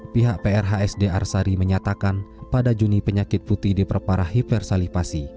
pihak prhsd arsari menyatakan pada juni penyakit putih diperparah hipersalipasi